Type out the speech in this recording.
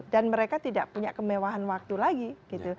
dan mereka tidak punya kemewahan waktu lagi gitu